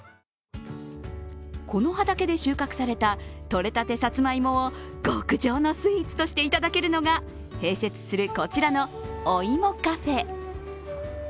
この畑で収穫されたとれたてさつまいもを極上のスイーツとしていただけるのが、併設するこちらのＯＩＭＯｃａｆｅ。